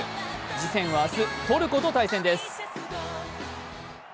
次戦は明日、トルコと対戦です。